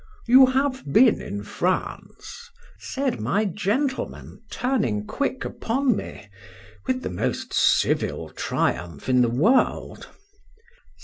—You have been in France? said my gentleman, turning quick upon me, with the most civil triumph in the world.